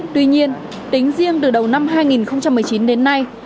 tuy nhiên tính riêng từ đầu năm hai nghìn một mươi chín đến nay